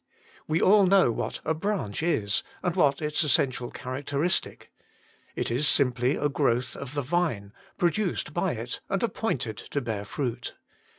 We all know what a branch is, and what its essential characteristic. It is simply a growth of the vine, produced by it and appointed to bear fruit.